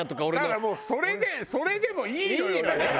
だからもうそれでそれでもいいのよだから。